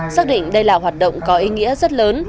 xác định đây là hoạt động có ý nghĩa rất lớn